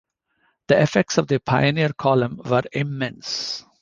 The effects of the Pioneer Column were immense.